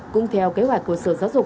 cũng theo kế hoạch của sở giáo dục